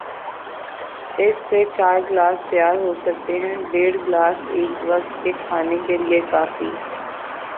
اس سے چار گلاس تیار ہوسکتے ہیں، ڈیڑھ گلاس ایک وقت کے کھانے کے لئے کافی ہیں۔